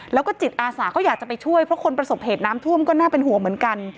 แล้วก็จิตอาสาก็อยากจะไปช่วยเพราะคนประสบเหตุน้ำท่วมก็น่าเป็นห่วงเหมือนกัน